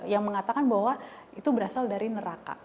yang mengatakan bahwa itu berasal dari neraka